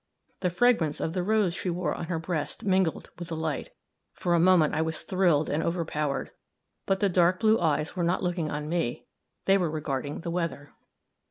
The fragrance of the rose she wore on her breast mingled with the light; for a moment I was thrilled and overpowered; but the dark blue eyes were not looking on me they were regarding the weather.